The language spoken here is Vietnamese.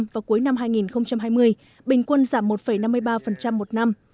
vào cuối năm hai nghìn hai mươi bình quân giảm một năm mươi ba một năm